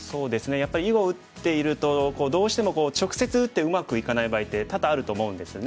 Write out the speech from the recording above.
やっぱり囲碁を打っているとどうしても直接打ってうまくいかない場合って多々あると思うんですね。